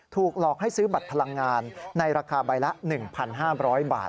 ถูกหลอกให้ซื้อบัตรพลังงานในราคาใบละ๑๕๐๐บาท